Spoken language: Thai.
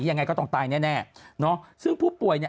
ยังไงก็ต้องตายแน่แน่เนาะซึ่งผู้ป่วยเนี่ย